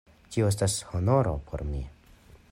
Tio estas honoro por mi.